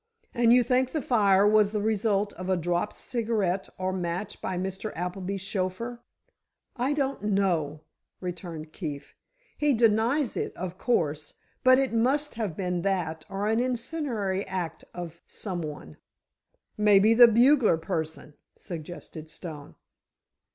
"And you think the fire was the result of a dropped cigarette or match by Mr. Appleby's chauffeur?" "I don't know," returned Keefe. "He denies it, of course, but it must have been that or an incendiary act of some one." "Maybe the bugler person," suggested Stone.